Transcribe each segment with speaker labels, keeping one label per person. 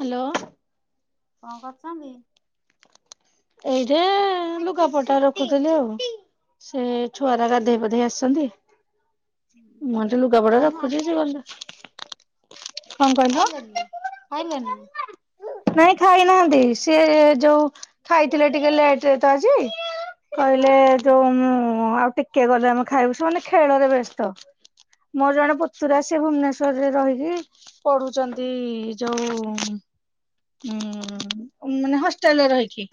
Speaker 1: Hello.
Speaker 2: କଣ କରୁଛନ୍ତି?
Speaker 1: ଏଇଠେ ଲୁଗାପଟା ରଖୁଥିଲି ଆଉ। ସେ ଛୁଆରା ଗାଧେଇ ପାଧେଇ ଆସିଛନ୍ତି। ମୁଁ ଏଠି ଲୁଗା ପଟା
Speaker 2: ଖାଇନା
Speaker 1: ରଖୁଛି ସେ ଗଲେ କଣ କହିଲ?
Speaker 2: ଖାଇଲେନି ଖାଇଲେନି ନା
Speaker 1: ନାଇଁ ଖାଇନାହାନ୍ତି ସିଏ ଯୋଉ ଖାଇଥିଲେ ଟିକେ ଲେଟରେ ତ ଆଜି। କହିଲେ ଯୋଉ ମୁଁ ଆଉ ଟିକେ ଟିକେ ଗଲେ ଆମେ ଖାଇବୁ ସେମାନେ ଖେଳରେ ବ୍ୟସ୍ତ ମୋର ଜଣେ ପୁତୁରା ଆସିବେ ଭୁବନେଶ୍ୱର ରହିକି ପଢୁଛନ୍ତି ଯୋଉ ହୁଁ ମାନେ ହଷ୍ଟେଲରେ ରହିକି।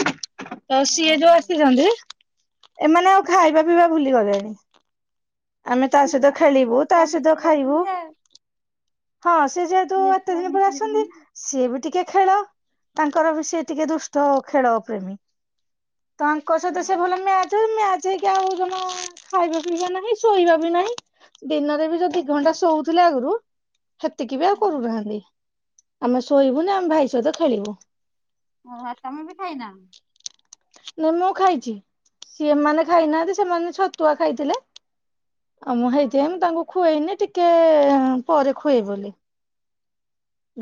Speaker 1: ତ ସିଏ ଯୋଉ
Speaker 2: ଓହୋ
Speaker 1: ଆସିଛନ୍ତି ଏମାନେ ଆଉ ଖାଇବା ପିଇବା ଭୁଲି ଗଲେଣି। ଆମେ ତା ସହିତ
Speaker 2: ଠିକ
Speaker 1: ଖେଳିବୁ
Speaker 2: ଅଛି
Speaker 1: ତା
Speaker 2: ଆଉ
Speaker 1: ସହିତ
Speaker 2: ମିଶି
Speaker 1: ଖାଇବୁ।
Speaker 2: ଯାଉଛନ୍ତି ଆଉ।
Speaker 1: ହଁ ସିଏ ଯେହେତୁ ଏତେ
Speaker 2: ଛୁଆ
Speaker 1: ଦିନ ପରେ
Speaker 2: ମିଶି
Speaker 1: ଆସିଛନ୍ତି।
Speaker 2: ଯାଉଛନ୍ତି।
Speaker 1: ସିଏ ବି ଟିକେ ଖେଳ ତାଙ୍କର ବି ସିଏ ଟିକେ ଦୁଷ୍ଟ ଖେଳ ପ୍ରେମୀ। ତାଙ୍କ ସହିତ ସେ ଭଲ ମ୍ୟାଚ ମ୍ୟାଚ ହେଇକି ଆଉ ଜଣ ଖାଇବା ପିଇବା ନାହିଁ। ଶୋଇବା ବି ନାହିଁ ଦିନରେ ବି ଦି ଘଣ୍ଟା ଶୋଉଥିଲେ ଆଗରୁ। ସେତିକି ବି ଆଉ
Speaker 2: ଓହୋ
Speaker 1: କରୁନାହାନ୍ତି ଆମେ ଶୋଇବୁନି ଆମେ ଭାଇ ସହିତ ଖେଳିବୁ।
Speaker 2: ଓହୋ ତମେ ବି ଖାଇନ।
Speaker 1: ନା ମୁଁ ଖାଇଛି ସେମାନେ ଖାଇନାହାନ୍ତି ସେମାନେ ଛତୁଆ ଖାଇଥିଲେ। ଆ ମୁଁ
Speaker 2: ହଁ
Speaker 1: ହେଇଥି ପାଇ
Speaker 2: ହଁ
Speaker 1: ମୁଁ ତାଙ୍କୁ ଖୁଆଇନି ଟିକେ ପରେ ଖୁଏବି ବୋଲି।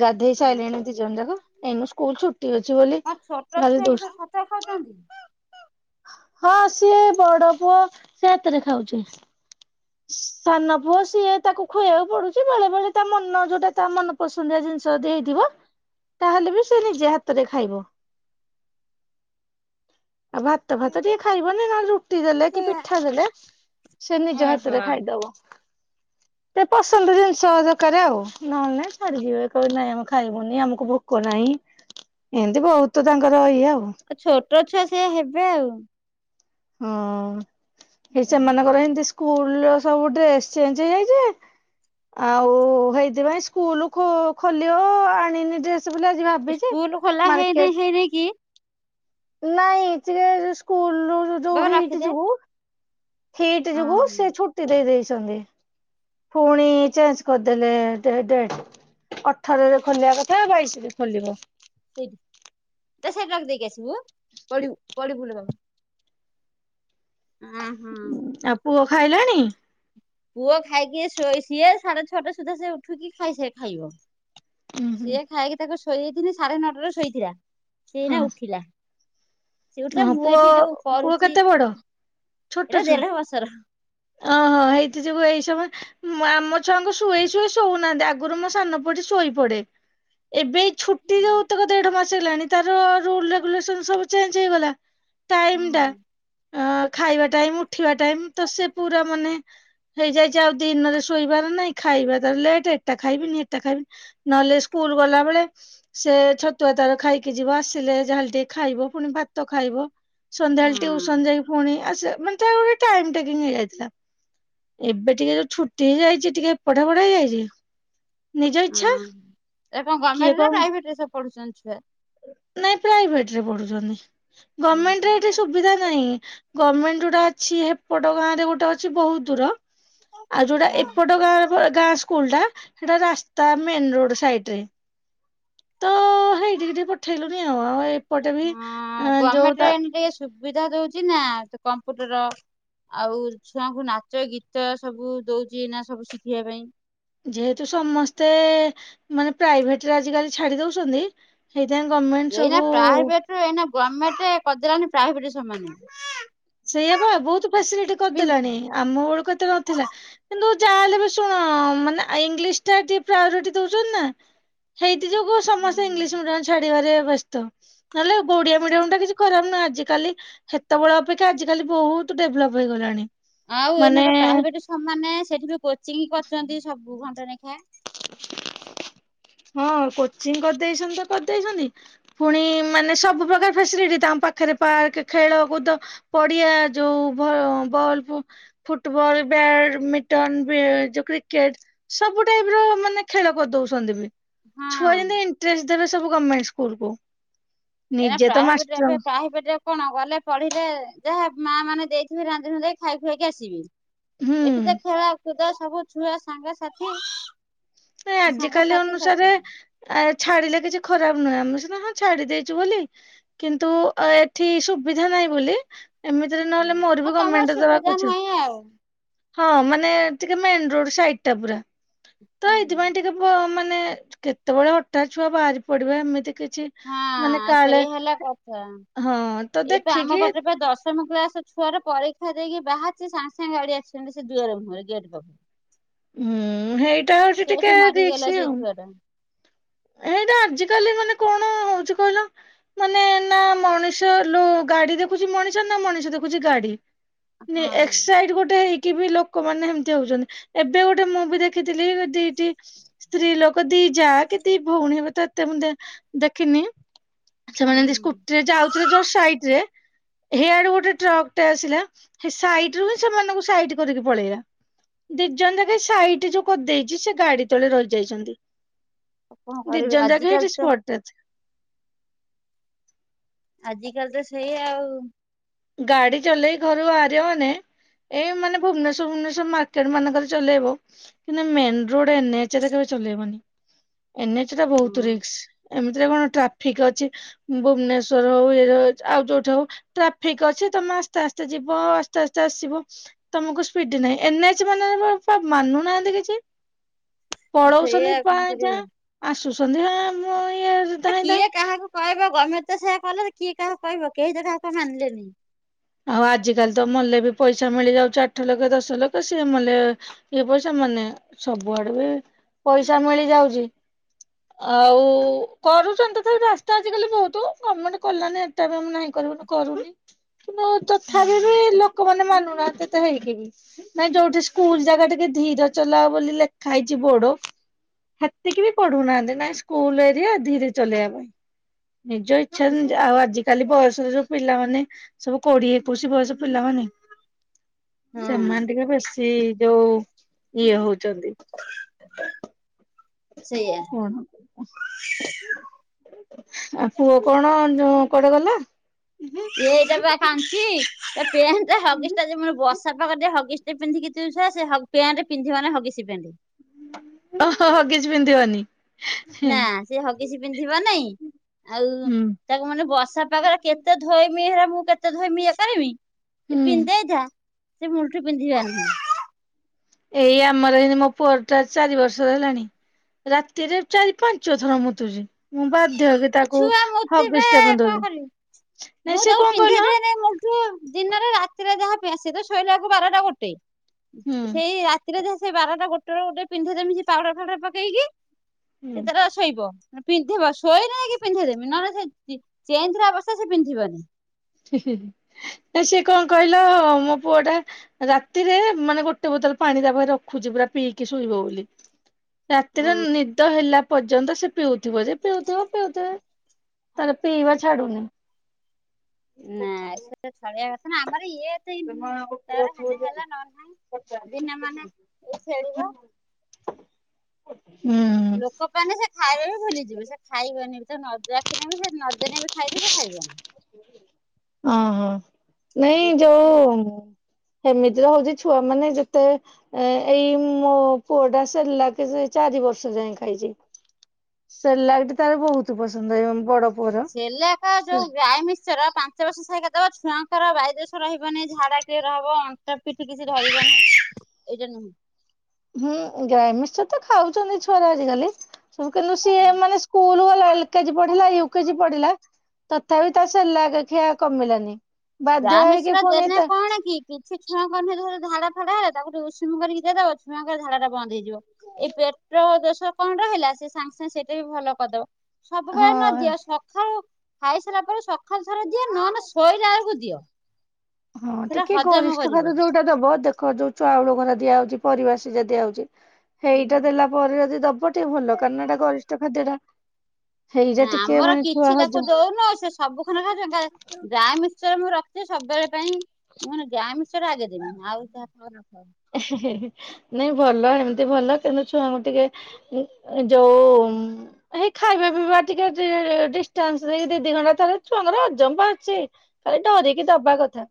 Speaker 1: ଗାଧେଇ
Speaker 2: ହଁ
Speaker 1: ସାଇିଲଣି ଦି ଜଣ ଯାକ ଏଇନୁ ସ୍କୁଲ ଛୁଟି ଅଛି ବୋଲି
Speaker 2: ହଁ ଛୋଟ
Speaker 1: ଖାଲି
Speaker 2: ଛୁଆ
Speaker 1: ଦୁଷ୍ଟ।
Speaker 2: [unintelligible]
Speaker 1: ହଁ ସିଏ ବଡ ପୁଅ ସିଏ ହାତରେ ଖାଉଛି। ସାନ ପୁଅ ସିଏ ତାକୁ ଖୁଆବାକୁ ପଡୁଛି ବେଳେବଳେ ତା ମନ ଯୋଉଟା ତା ମନ ପସନ୍ଦିଆ ଜିନିଷ ଯଦି ହେଇଥିବ ତାହେଲେ ବି ସେ ନିଜେ ହାତରେ ଖାଇବ।
Speaker 2: [unintelligible]
Speaker 1: ଆଉ ଭାତ ଭାତ ଟିକେ ଖାଇବନି ନହେଲେ ରୁଟି ଦେଲେ କି ପିଠା ଦେଲେ ସେ ନିଜ ହାତ
Speaker 2: ଓହୋ ଆଉ
Speaker 1: ଦବ।
Speaker 2: [unintelligible]
Speaker 1: ଏ ପସନ୍ଦ ଜିନିଷ ଦରକାର ଆଉ ନହେଲେ ନାଇଁ ଛାଡ଼ିଯିବେ କ ନାଇଁ ଆମେ ଖାଇବୁନି ଆମକୁ ଭୋକ ନାହିଁ। ଏମିତି ବହୁତ ତାଙ୍କର ଇଏ ଆଉ।
Speaker 2: ଛୋଟ ଛୁଆ ସେୟା ହେବେ ଆଉ।
Speaker 1: ହଁ ଏଇ ସେମାନଙ୍କର ଏମିତି ସ୍କୁଲର ସବୁ ଡ୍ରେସ ଚେଞ୍ଜ ହେଇଯାଇଛି। ଆଉ ହେଇଥିପାଇଁ ସ୍କୁଲ ଖୋଲିବ ଆଣିନି ଡ୍ରେସ ବୋଲି ଆଜି ଭାବ
Speaker 2: ସ୍କୁଲ ଖୋଲା ହେଇନେଇ ହେଇନେଇ କି
Speaker 1: ନାଇଁ ଟିକେ ସ୍କୁଲ ଯୋଉ
Speaker 2: ବାବା
Speaker 1: ହେଇଠି
Speaker 2: ରଖିଦେ
Speaker 1: ଯୋଗୁ ହିଟ୍ ଯୋଗୁ
Speaker 2: ଓହୋ
Speaker 1: ସେ ଛୁଟି ଦେଇ ଦେଇଛନ୍ତି। ପୁଣି ଚେଞ୍ଜ କରିଦେଲେ ଡେଟ୍। ଅଠରରେ ଖୋଲିବା କଥା ବାଇଶିରେ ଖୋଲିବ।
Speaker 2: ସେଇଟା ତ ସେଇଟାକୁ ଦେଇକି ଆସିବୁ ପଡିବୁ ପଡିବୁଲୋ ବାବା। ହଁ ହଁ।
Speaker 1: ଆଉ ପୁଅ ଖାଇଲାଣି
Speaker 2: ପୁଅ ଖାଇକି ଶୋଇ ସିଏ ସାଢେ ଛଅଟା ସୁଦ୍ଧା ସେ ଉଠିକି ଖାଇ ସରିଥାଇବ। ସିଏ ଖାଇକି ତାକୁ ଶୋଇଦେଇଥିଲି ସାଢେ ନଅଟାରେ ଶୋଇଥିଲା ସେ ଏଇନା ଉଠିଲା। ସିଏ ଉଠିଲା
Speaker 1: ଓହୋ
Speaker 2: ମୁଁ
Speaker 1: ପୁଅ
Speaker 2: ଏଠି ଯୋଉ
Speaker 1: ପୁଅ
Speaker 2: କରୁଛି
Speaker 1: କେତେ ବଡ
Speaker 2: ଏଇଟା
Speaker 1: ଛୋଟ ଛୁଆ।
Speaker 2: ଦେଢ ବର୍ଷର।
Speaker 1: ଓହୋ ହେଇଥି ଯୋଗୁ ଏଇ ସମୟ ଆମ ଛୁଆଙ୍କୁ ଶୁଏଇ ଶୁଏଇ ଶୋଉନାହାନ୍ତି ଆଗରୁ ମୋ ସାନ ପୁଅଟି ଶୋଇପଡେ। ଏବେ ଏଇ ଛୁଟି ଯୋଉତକ ଦେଢ ମାସ ହେଲାଣି ତାର ଯୋଉ ରୁଲ ରେଗୁଲେସନ ସବୁ ଚେଞ୍ଜ ଚେଗଲା ଟାଇମ ଟା।
Speaker 2: ହଁ
Speaker 1: ଅ ଖାଇବା ଟାଇମ ଉଠିବା ଟାଇମ ତ ସେ ପୁରା ମାନେ। ହେଇଯାଇଛି ଆଉ ଦିନରେ ଶୋଇବାର ନାହିଁ ଖାଇବା ଲେଟ୍ ଏଟା ଖାଇବିନି ହେଟା ଖାଇବିନି। ନହେଲେ ସ୍କୁଲ ଗଲାବେଳେ। ସେ ଛତୁଆ ତାର ଖାଇକି ଯିବ ଆସିଲେ ଯା ହେଲେ ଟିକେ ଖାଇବ ପୁଣି ଭା ତ ଖାଇବ ସନ୍ଧ୍ୟାବେଳେ
Speaker 2: ହଁ।
Speaker 1: ଟିଉସନ୍ ଯାଇକି ପୁଣି ଆସେ ମାନେ ତାର ଗୋଟେ ଟାଇମ ଟେକିଙ୍ଗ ହେଇଯାଇଥିଲା। ଏବେ ଟିକେ ଯୋଉ ଛୁଟି ହେଇଯାଇଛି ଟିକେ ପଢା ପଢି ରହିଯାଇଛି ନିଜ ଇଚ୍ଛା।
Speaker 2: ଏ କଣ
Speaker 1: କିଏ
Speaker 2: ଗମେଣ୍ଟ୍ ନା
Speaker 1: କଣ
Speaker 2: ପ୍ରାଇଭେଟ ରେ ସବୁ ପଢୁଛନ୍ତି ଛୁଆ।
Speaker 1: ନାଇଁ ପ୍ରାଇଭେଟରେ ପଢୁଛନ୍ତି ଗମେଣ୍ଟରେ ଏଠି ସୁବିଧା ନାହିଁ। ଗମେଣ୍ଟ ଯୋଉଟା ଅଛି ହେପଟ ଗାଁ ରେ ଗୋଟେ ଅଛି ବହୁତ ଦୂର। ଆଉ ଯୋଉଟା ଏପଟ ଗାଁ ଗାଁ ସ୍କୁଲ ଟା ସେଟା ରାସ୍ତା ମେନ୍ ରୋଡ୍ ସାଇଡ୍ ରେ। ତ ହେଇଠିକି ଟିକେ ପଠେଇଲୁନି ଆଉ ଆଉ ଏପଟେ ବି
Speaker 2: ହଁ
Speaker 1: ଯୋଉ
Speaker 2: ଗମେଣ୍ଟରେ
Speaker 1: ତା
Speaker 2: ଏଇନେ ଟିକେ ସୁବିଧା ଦଉଛି ନା ସେ କମ୍ପ୍ୟୁଟର। ଆଉ ଛୁଆଙ୍କୁ ନାଚ ଗୀତ ସବୁ ଦଉଛି ନା ସବୁ ଶିଖିବା ପାଇଁ।
Speaker 1: ଯେହେତୁ ସମସ୍ତେ ମାନେ ପ୍ରାଇଭେଟରେ ଆଜିକାଲି ଛାଡି ଦଉଛନ୍ତି। ସେଇଥିପାଇଁ ଗମେ
Speaker 2: ଏଇନା ପ୍ରାଇଭେଟ୍ ରୁ ଏଇ ଗମେଣ୍ଟ କରିଦେଲାନି ପ୍ରାଇଭେଟ ସମାନ।
Speaker 1: ସେଇଆ ବା ବହୁତ ଫେସିଲିଟି
Speaker 2: ହୁଁ।
Speaker 1: କରିଦେଲାଣି ଆମ ବେଳକୁ ଏତେ ନଥିଲା। କିନ୍ତୁ ଯାହା ହେଲେ ବି ଶୁଣ ମାନେ ଇଂଲିଶ ଟା ଟିକେ ପ୍ରାୟୋରିଟି ଦଉଛନ୍ତି ନା। ସେଇଥି ଯୋଗୁ ସମସ୍ତେ ଇଂଲିଶ ମିଡିୟମ ଛାଡିବାରେ ବ୍ୟସ୍ତ ନହେଲେ ଓଡିଆ ମିଡିୟମ ଟା କିଛି ଖରାପ ନୁହଁ ଆଜି କାଲି ସେତେବଳ। ଅପେକ୍ଷା ଆଜିିକାଲି ବହୁତ ଡେଭଲପ ହେଇଗଲାଣି।
Speaker 2: ଆଉ ଏଇନା ବା
Speaker 1: ମାନେ
Speaker 2: ପ୍ରାଇଭେଟ ସମାନେ ସେଠି ବି କୋଚିଂ କରିଛନ୍ତି ସବୁ ଘଣ୍ଟେ ଲେଖା। [inaudible]
Speaker 1: ହଁ କୋଚିଂ କରିଦେଇଛନ୍ତି ତ କରିଦେଇଛନ୍ତି। ପୁଣି ମାନେ ସବୁ ପ୍ରକାର ଫେସିଲିଟି ତମ ପାଖରେ ପାର୍କ ଖେଳ କୁଦ। ପଡିଆ ଯୋଉ ଭ ବଲ। ଫୁଟୁବଲ ବ୍ୟାଡମିଟନ ଯୋଉ କ୍ରିକେଟ ସବୁ ଟାଇପର। ମାନେ ଖେଳ କରିଦଉଛନ୍ତି ଛୁଆ
Speaker 2: ହଁ।
Speaker 1: ଯେମିତି ଇଣ୍ଟ୍ରେଷ୍ଟ ଦେବେ ସବୁ ଗମେଣ୍ଟ ସ୍କୁଲକୁ।
Speaker 2: ଏ ନା ପ୍ରାଇଭେଟରେ ଏବେ ପ୍ରାଇଭେଟରେ କଣ ଗଲେ ପଢିଲେ ଯାହା ମା ମାନେ ଦେଇଥିବେ ରାନ୍ଧି ରୁନ୍ଧାକି ଖାଇ ଖୁଇକି ଆସିବେ।
Speaker 1: ହୁଁ
Speaker 2: ଏଠି ତ ଖେଳ କୁଦ ସବୁ ଛୁଆ ସାଙ୍ଗସାଥି।
Speaker 1: ନାଇଁ ଆଜି କାଲି
Speaker 2: ସାଙ୍ଗସାଥି ସବୁ
Speaker 1: ଅନୁସାରେ
Speaker 2: ପାଇବେ।
Speaker 1: ଆ ଛାଡିଲେ କିଛି ଖରାପ ନୁହେଁ ଆମେ ସିନା ହଁ ଛାଡି ଦେଇେଇଛୁ ବୋଲି। କିନ୍ତୁ ଏଠି ସୁବିଧା ନାହିଁ ବୋଲି। ଏମିତିରେ ନହେଲେ
Speaker 2: ହୁଁ।
Speaker 1: ମୋର
Speaker 2: ଆଉ
Speaker 1: ବି
Speaker 2: ତମର
Speaker 1: ଗଣମେଣ୍ଟରେ
Speaker 2: ସୁବିଧା
Speaker 1: ଦେବାକୁ ଇଛା।
Speaker 2: ନାହିଁ ଆଉ।
Speaker 1: ହଁ ମାନେ ଟିକେ ମେନ ରୋଡ ସାଇଟ ଟା ପୁରା। ତ
Speaker 2: ହୁଁ।
Speaker 1: ଏଇଥିପାଇଁ ଟିକେ ମାନେ କେତେବେଳେ ହଠାତ୍ ଛୁଆ ବାହାରି ପଡିବ ଏମିତି କିଛି। ମାନେ
Speaker 2: ହଁ
Speaker 1: କାଳେ
Speaker 2: ସେଇ ହେଲା କଥା।
Speaker 1: ହଁ ତ ଦେଖିକି
Speaker 2: ପ୍ରଥମ କ୍ଲାସ ଛୁଆ ର ପରୀକ୍ଷା ଦେଇକି ବାହାରି ସାଙ୍ଗେ ସାଙ୍ଗେ ଗାଡି ଆସି ସେ ଦୁଆର ମୁହଁରେ ଗେଟ ପାଖରେ
Speaker 1: ହୁଁ ହେଇଟା ହଉଛି
Speaker 2: ସେଇଠି
Speaker 1: ଟିକେ
Speaker 2: ମରିଗଲା
Speaker 1: ରିସ୍କ୍
Speaker 2: ସେଇ
Speaker 1: ଆଉ।
Speaker 2: ଛୁଆଟା
Speaker 1: ହେଇଟା ଆଜିକାଲି ମାନେ କଣ ହଉଛି କହିଲ? ମାନେ ନା ମଣିଷ ଲ ଗାଡି ଦେଖୁଛି ମଣିଷ ନା ମଣିଷ ଦେଖୁଛି ଗାଡି। ଜେ
Speaker 2: ହଁ
Speaker 1: ଏକ୍ସ ସାଇଡ୍ ଗୋଟେ ହେଇ କି ବି ଲୋକମାନେ ଏମତି ହଉଛନ୍ତି ଏବେ ଗୋଟେ ମୁଁଭି ଦେଖିଥିଲି ଯଦି ଟି ସ୍ତ୍ରୀ ଲୋକ ଦିଇ ଯା କେ ଦି ଭଉଣୀ ଏବେ ତ ଏତେ ମୁନ୍ଦେ ଦେଖିନି ସେମାନେ ଏମିତି
Speaker 2: ହୁଁ।
Speaker 1: ସ୍କୁଟିରେ ଯାଉ ଥରେ ଯଷ୍ଟ୍ ଆଇଯେ ହିଆଡେ ଗୋଟେ ଟ୍ରକ ଟା ଆସିଲା ସେ ସାଇଟ୍ ରୁ ବି ସେମାନଙ୍କୁ ସାଇଟ୍ କରିକି ପଳେଇଲା। ଦିଇ ଜଣ ଯାକ ସାଇଟ୍ ଯୋଉ କରିଦେଇଛି ସେ ଗାଡି ତଳେ ରହିଯାଇଛନ୍ତି।
Speaker 2: ଆଉ କଣ
Speaker 1: ଦିଇ
Speaker 2: କରିବି
Speaker 1: ଜଣ ଜାକ
Speaker 2: ଆଜିକାଲି
Speaker 1: ହେଇଠି
Speaker 2: ତ
Speaker 1: ସ୍ପଟ୍ ଡେଥ।
Speaker 2: ଆଜିକାଲି ତ ସେଇଆ ଆଉ।
Speaker 1: ଗାଡି ଚଲେଇ ଘରୁ ବାହାରିବ ମାନେ ଏଇ ମାନେ ଭୁବନେଶ୍ୱର୍ ଫୁବନେଶ୍ଵର ମାର୍କେଟ ମାନଙ୍କରେ ଚଲେଇବ। କିନ୍ତୁ ମେନ୍ ରୋଡ୍ ଏନେ ଏଚରେ କେବେ ଚଲେଇବନି ଏନ ଏଚରେ ବହୁତ୍
Speaker 2: ହୁଁ।
Speaker 1: ରିକ୍ସ। ଏମିତିରେ କଣ ଟ୍ରାଫିକ୍ ଅଛି ଭୁବନେସ୍ୱର ହଉ ଏରୋ ଆଉ ଯୋଉଠି ହଉ ଟ୍ରାଫିକ୍ ଅଛି ତମେ ଆସ୍ତେ ଆସ୍ତେ ଯିବ ଆସ୍ତେ ଆସ୍ତେ ଆସିବ। ତମକୁ ସ୍ପିଡ ନାହିଁ ଏନଏଚ ମାନଙ୍କରେ ପା ମାନୁ ନାହାନ୍ତି କିଛି।
Speaker 2: ଆଉ ସେଇଆ
Speaker 1: ପଳଉଛନ୍ତି
Speaker 2: ଆଉ
Speaker 1: ପା
Speaker 2: କଣ
Speaker 1: ଯା
Speaker 2: କରିବି।
Speaker 1: ଆସୁଛନ୍ତି ହ ମୁଁ ଇଏ
Speaker 2: ଏ
Speaker 1: ଧାଇଁ ଧାଇଁ
Speaker 2: କିଏ କାହାକୁ କହିବ ଗମେଣ୍ଟ୍ ତ ସେୟଆ କଲେ କିଏ କାହାକୁ କହିବ କେହି ତ କାହା କଥା ମାନିଲେନି।
Speaker 1: ଆଉ ଆଜିକାଲି ତ ମଲେ ବି ପଇସା ମିଳିଯାଉଛି ଆଠ ଲକ୍ଷ ଦଶ ଲକ୍ଷ ସିଏ ମଲେ ଇଏ ପଇସା ମାନେ ସବୁଆଡେ ବି ପଇସା ମିଳି ଯାଉଛି। ଆଉ କରୁଛନ୍ତି ତ ତଥାପି ରାସ୍ତା ଆଜିିକାଲି ବହୁତ୍ ଗମେଣ୍ଟ କଲାନି ଏଟା ବି ଆମେ ନାହିଁ କରିବୁନୁ। କରୁନି। ତ
Speaker 2: ହଁ
Speaker 1: ତଥାପି ବି ଲୋକମାନେ ମାନୁନାହାନ୍ତି ଏତ ହେଇକି ବି। ନାଇଁ ଯୋଉଠି ସ୍କୁଲ୍ ଜାଗା ଟିକେ ଧୀର ଚଲାଅ ବୋଲି ଲେଖା ହେଇଛି ବୋଡ୍ ସେତିକି ବି ପଢୁନାହାନ୍ତି ନାଇ ସ୍କୁଲ ଏରିଆ ଧିରେ ଚଲେଇବା ପାଇଁ ନିଜ ଇ ସେ ଜନ ଆଉ ଆଜିିକାଲି ବୟସରେ ଯୋଉ ପିଲାମାନେ ସବୁ କୋଡିଏ ଏକୋଇଶି ବୟସ ପିଲାମାନେ
Speaker 2: ହଁ
Speaker 1: ସେମାନେ ଟିକେ ବେଶୀ ହିଁ ଯୋଉ ଇଏ ହଉଛନ୍ତି।
Speaker 2: ସେଇଆ [unintelligible]
Speaker 1: କଣ ପୁଅ କଣ ଯୋଉ କୁଆଡେ ଗଲା [unintelligible]
Speaker 2: ଏ ଏଇଟା ପା କାନ୍ଦୁଛି ଏ ପେଣ୍ଟ ହଗିସ୍ ଟା ଯେ ମୁଁ ବସ୍ ଛାପା ବାଟେ ହଗିସ୍ ଟେ ପିନ୍ଧିକି ଯୋଉ ଛୁଆ ସେ ହ ପେଣ୍ଟ ପିନ୍ଧିବନି ହଗିସ୍ ପେଣ୍ଟ
Speaker 1: ଓହୋ ହ କିଛି ପିନ୍ଧି [unintelligible]
Speaker 2: ନା ସେ ହଗିସ୍ ପିନ୍ଧିବ ନେଇଁ ଆଉ ତାକୁ ମାନେ ବର୍ଷା ପାାଗରେ କେତେ ଧୋଇମି଼ ହେଗୁରା ମୁଁ କେତେ ଧୋଇମି଼ ଇଏ କରିବି। ସେ
Speaker 1: ହୁଁ।
Speaker 2: ପିନ୍ଧି ଦେଇଥା ସେ ମୁଲୁରୁ ପିନ୍ଧି ଜାଣିନି।
Speaker 1: ଏଇ ଆମର ଏ ମୋ ପୁଅର ଟା ଚାରି ବର୍ଷର ହେଲାଣି। ରାତିରେ ଚାରି ପାଞ୍ଚଥର ମତୁଛି। ମୁଁ ବାଧ୍ୟ ହେଇକି
Speaker 2: ଆଉ
Speaker 1: ତାକୁ
Speaker 2: ଛୁଆ ମୂର୍ତ୍ତି ବେ
Speaker 1: ହଗିସ୍ ଟେ
Speaker 2: କଣ
Speaker 1: ପିନ୍ଧଉନି
Speaker 2: କରିବି
Speaker 1: ନାଇ ସିଏ
Speaker 2: ତାକୁ
Speaker 1: କଣ
Speaker 2: ପିନ୍ଧେଇ
Speaker 1: କହିଲ।
Speaker 2: ଦିଏନି ମୁଁ ମୁଲଠୁ ଦିନରେ ରାତିରେ ଯାହା ଫେସ ସେତ ଶୋଇଲାକୁ ବାରଟା ଗୋଟେ
Speaker 1: ହୁଁ
Speaker 2: ସେଇ ରା ରାତିରେ ଯାହା ସେ ବାରଟା ଗୋଟେ ବେଳକୁ ଗୋଟେ ପିନ୍ଧେଇ ଦେବି ସେ ପାଉଡର ଫାଉଡର ପକେଇକି
Speaker 1: ହୁଁ
Speaker 2: ସେ ତାର ଶୋଇବ। ପିନ୍ଧିବ ଶୋଇ ରହିକି ପିନ୍ଧେଇ ଦେବି ନହେଲେ ସେ ଚେ -ଚେଉଁ ଥିବା ଅବସ୍ଥା ରେ ସେ ପିନ୍ଧିବନି।
Speaker 1: [unintelligible] ନା ସିଏ କଣ କହିଲ ହ ମୋ ପୁଅ ଟା ରାତିରେ ମାନେ ଗୋଟେ ବୋତଲ ପାଣି ତା ପାଖରେ ରଖୁଛି ପୁରା ପିଇକି ଶୋଇବ ବୋଲି। ରାତିରେ ନିଦ ହେଲା ପର୍ଯ୍ୟନ୍ତ ସେ ପିଉଥିବ ଯେ ପିଉଥିବ ପିଉଥିବ। ତାର ପିଇବା ଛାଡୁନି।
Speaker 2: ନା ସେଟା ଛାଡିବା କଥା ନା ଆମର ଇଏ ଏତେ ତାର ହେନେ ହେଲା ନହେନେ ନାହିଁ ଦିନେ ମାନେ ଏ ଖେଳିବ
Speaker 1: [inaudible] ହୁଁ।
Speaker 2: ମାନେ ସେ ଖାଇବା ବି ଭୁଲିଯିବେ ସେ ଖାଇବନି ସେ ନ ଡାକିନେ ବି ସେ ନ ଦେନେ ବି ଖାଇତେ ସେ ଖାଇବନି।
Speaker 1: ଅଁ ହଁ ନାଇଁ
Speaker 2: ଗୋଟେ ଛୁ
Speaker 1: ଯୋଉ ହେମିତିରେ ହଉଚି ଛୁଆ ମାନେ ଯେତେ ଏ ଏଇ ମୋ ପୁଅ ଟା ସେରଲାକ ସେ ଚାରି ବର୍ଷ ଯାଏ ଖାଇଚି। ସେରଲାକ୍ ଟି ତାର ବହୁତ ପସନ୍ଦ ହେଇ ବଡ ପୁଅର।
Speaker 2: ସେଲାକ୍
Speaker 1: ସେ
Speaker 2: ଯୋଉ ଗାଈ ମି ସେରା ପାଞ୍ଚ ବର୍ଷ ସାଇକା ଦବ ଛୁଆଙ୍କର ବାୟୁଦୋଷ ରହିବନି ଝାଡା କ୍ଲିୟର ହବ। ଟା ପିଠି କିଛି ଧରିବନି ଏଇଟା ନୁହେଁ।
Speaker 1: ହୁଁ ଗାଇ ମିକ୍ସଚର ତ ଖାଉଛନ୍ତି ଛୁଆରା ଆଜିକାଲି। ସବୁ କିନ୍ତୁ ସିଏ ମାନେ ସ୍କୁଲ ଗଲା କେଜି ପଢିଲା ୟୁ କେଜି ପଢିଲା ତଥାପି ତା ସରେଲାକ ଖିଆ କମିଲାନି। ବାଧ୍ୟ ହେଇକି
Speaker 2: ଗ୍ରାମେଶଚର
Speaker 1: ପୁଣି
Speaker 2: ଦେନେ
Speaker 1: ତା
Speaker 2: କଣ କି କି ସେ ଛୁଆଙ୍କ ନୁହେଁ ଝାଡ଼ା ଫାଡ଼ା ହେଲା ତାକୁ ଉଷୁମ କରିକି ଦେଇଦବ ଛୁଆଙ୍କ ଝାଡ଼ାଟା ବନ୍ଦ ହେଇଯିବ। ଏ ପେଟ ଦୋଷ କଣ ରହିଲା ସେ ସାଙ୍ଗେ ସାଙ୍ଗେ ସେଇଟା ବି ଭଲ କରିଦବ।
Speaker 1: ହଁ
Speaker 2: ସବୁବେଳେ ନ ଦିଅ ସକାଳୁ ଖାଇସାରିଲା ପରେ ସକାଳୁ ଥର ଦିଅ ନନେ ଶୋଇଲା ବେଳକୁ ଦିଅ।
Speaker 1: ହଁ
Speaker 2: ସେଟା
Speaker 1: ଟିକେ
Speaker 2: ହଜମ
Speaker 1: ଗରିଷ୍ଠ
Speaker 2: କରିବ।
Speaker 1: ଖାଦ୍ୟ ଯୋଉଟା ଦବ ଦେଖ ଯୋଉ ଚାଉଳ ଘୋର ଦିଆହଉଚି ପରିବା ସିଜା ଦିଆହଉଚି। ହେଇଟା ଦେଲା ପରେ ଯଦି ଦବ ଟିକେ ଭଲ କାରଣ ଏଟା ଗରିଷ୍ଠ ଖାଦ୍ୟ ଟା। ହେଇଟା
Speaker 2: ନା
Speaker 1: ଟିକେ
Speaker 2: ଆମର
Speaker 1: ମାନେ ଛୁଆ
Speaker 2: କିଛି ତାକୁ
Speaker 1: ହଜମ
Speaker 2: ଦଉନୁ ସେ ସବୁ ଖନ ଖାଉ ଗାଈ ମିକ୍ସଚର ମୁଁ ରଖିଚି ସବୁବେଳେ ପାଇଁ ମୁଁ ଗାଈ ମିକ୍ସଚର ଆଗେଦେବି ଆଉ ଯାହା ଖ ଖ
Speaker 1: ହେ ହେ ନାଇଁ ଭଲ ଏମିତି ଭଲ କିନ୍ତୁ ଛୁଆଙ୍କୁ ଟିକେ ଯୋଉ ଏଇ ଖାଇବା ପିଇବା ଟିକେ ଡିଷ୍ଟାନ୍ସ ଦେଇ ଦି ଦି ଘଣ୍ଟା ଥରେ ଛୁଆଙ୍କର ହଜମ ପା ଅଛି। ଖାଲି ଡରିକି ଦବା କଥା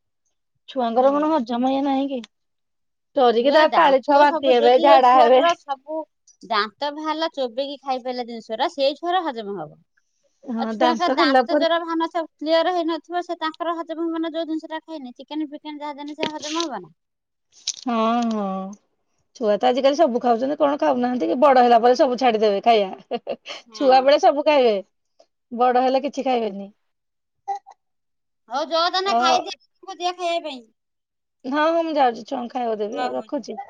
Speaker 1: ଛୁଆଙ୍କର
Speaker 2: ହୁଁ।
Speaker 1: କଣ ହଜମ ଇଏ ନାହିଁ କି। ଡରିକି
Speaker 2: ହୁଏ
Speaker 1: ତା କାଳେ ଛୁଆ
Speaker 2: ଦାନ୍ତ
Speaker 1: ବାନ୍ତି
Speaker 2: ସବୁ
Speaker 1: ହେବେ
Speaker 2: ଯଦି
Speaker 1: ଝାଡା ହେବେ
Speaker 2: ଛୁଆରର ସବୁ ଦାନ୍ତ ବାହାରିଲା ଚୋବେଇକି ଖାଇ ପାରିଲା ଜିନିଷରା ସେଇ ଛୁଆର ହଜମ ହବ।
Speaker 1: ହଁ
Speaker 2: ଆଉ ଛୁଆଙ୍କ
Speaker 1: ହେଲା
Speaker 2: ଦାନ୍ତ
Speaker 1: ପରେ
Speaker 2: ଜୋରା ବାହାରନଥିବ। କ୍ଲିୟର ହେଇନଥିବ ସେ ତାଙ୍କର ହଜମ ହବ ନା ଯୋଉ ଜିନିଷ ଟା ଖାଇନେ ଚିକେନ ଫିକେନ ଯାହାଦେଲେ ସେ ହଜମ ହବ ନା।
Speaker 1: ହଁ ହଁ। ଛୁଆ ତ ଆଜିକାଲି ସବୁ ଖାଉଛନ୍ତି କଣ ଖାଉନାହାନ୍ତି କି ବଡ ହେଲା ପରେ ସବୁ ଛାଡିଦେବେ ଖାଇବା। ଛୁଆ
Speaker 2: ହଁ
Speaker 1: ବେଳେ ସବୁ ଖାଇବେ ବଡ ହେଲେ କିଛି
Speaker 2: ସେଇଆ।
Speaker 1: ଖାଇବେନି।
Speaker 2: ହଉ ଯ ତାନେ
Speaker 1: ଅ
Speaker 2: ଖାଇଦିଅ ଦିଅ ଖାଇବା ପାଇଁ।
Speaker 1: ହଁ ହଁ ମୁଁ ଯାଉଚି ଛୁଆଙ୍କୁ ଖାଇବାକୁ ଦେବି
Speaker 2: ହଉ
Speaker 1: ଆଉ
Speaker 2: ହଉ ଯା।
Speaker 1: ରଖୁଚି।